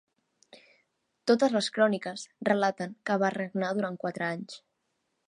Totes les cròniques relaten que va regnar durant quatre anys.